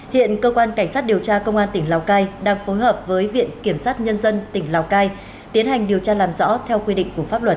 hiện cơ quan cảnh sát điều tra công an tỉnh lào cai đang phối hợp với viện kiểm sát nhân dân tỉnh lào cai tiến hành điều tra làm rõ theo quy định của pháp luật